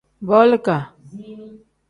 Boliga.